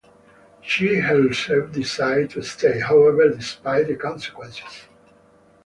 She herself decided to stay, however, despite the consequences.